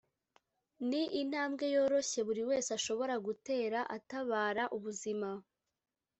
ni intambwe yoroshye buri wese ashobora gutera atabara ubuzima